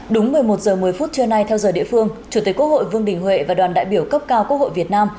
đúng một mươi một h một mươi phút trưa nay theo giờ địa phương chủ tịch quốc hội vương đình huệ và đoàn đại biểu cấp cao quốc hội việt nam